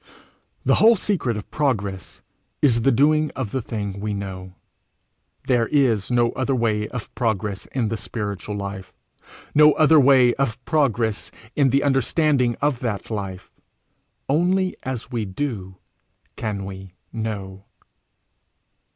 The whole secret of progress is the doing of the thing we know. There is no other way of progress in the spiritual life; no other way of progress in the understanding of that life: only as we do, can we know.